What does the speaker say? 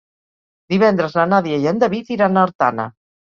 Divendres na Nàdia i en David iran a Artana.